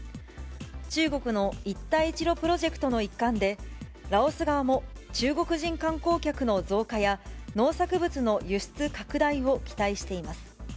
中国の一帯一路プロジェクトの一環で、ラオス側も中国人観光客の増加や、農作物の輸出拡大を期待しています。